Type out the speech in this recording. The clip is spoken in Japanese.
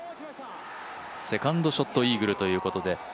セカンドショットイーグルということで。